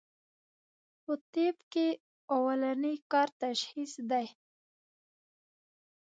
پۀ طب کښې اولنی کار تشخيص دی